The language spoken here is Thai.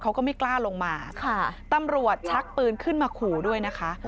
ก็ไม่กล้าลงมาค่ะตำรวจชักปืนขึ้นมาขู่ด้วยนะคะ